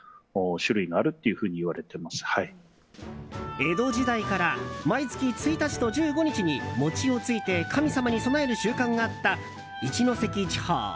江戸時代から毎月１日と１５日に餅をついて神様に供える習慣があった、一関地方。